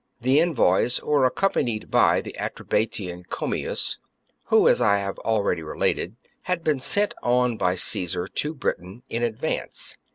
The envoys were accompanied by the Atrebatian, Commius, who, as I have already related, had been sent on by Caesar to Britain in advance.